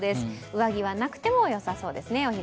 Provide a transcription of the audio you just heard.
上着がなくてもよさそうですね。